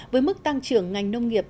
với mức tăng trưởng ngành nông nghiệp